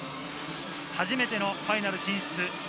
初めてのファイナル進出。